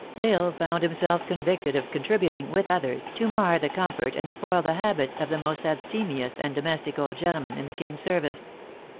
L Isle found himself convicted of contributing, with others, to mar the comfort and spoil the habits of the most abstemious and domestic old gentleman in the king s service.